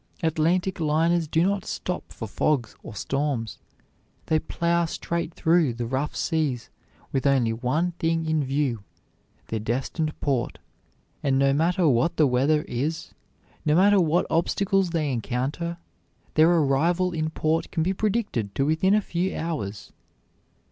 Atlantic liners do not stop for fogs or storms; they plow straight through the rough seas with only one thing in view, their destined port, and no matter what the weather is, no matter what obstacles they encounter, their arrival in port can be predicted to within a few hours.